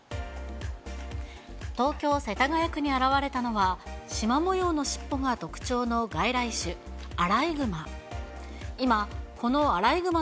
東京・世田谷区に現れたのは、しま模様の尻尾が特徴の外来種、アライグマ。